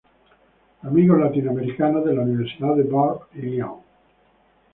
Amigos Latinoamericanos de la Universidad de Bar Ilan.